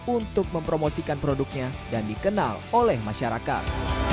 untuk mempromosikan produknya dan dikenal oleh masyarakat